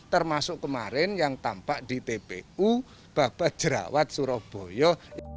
termasuk kemarin yang tampak di tpu bapak jerawat surabaya